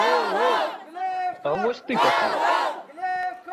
А, вось ты якая.